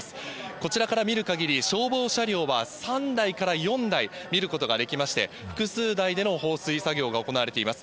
こちらから見るかぎり、消防車両は３台から４台見ることができまして、複数台での放水作業が行われています。